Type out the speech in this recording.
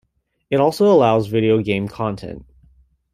It also allows video game content.